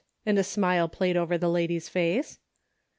" and a smile played over the lady's face.